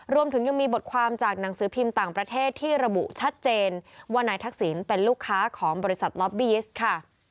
รวมถึงยังมีบทความจากหนังสือพิมพ์ต่างประเทศที่ระบุชัดเจนว่านายทักษิณเป็นลูกค้าของบริษัทล็อบบียิสต์ค่ะ